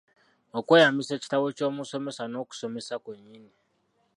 Okweyambisa ekitabo ky'omusomesa n'okusomesa kwennyini.